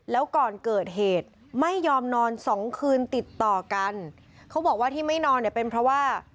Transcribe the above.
แล้วก่อนเกิดเหตุไม่ยอมนอนสองคืนติดต่อกันเขาบอกว่าที่ไม่นอนเนี่ยเป็นเพราะว่า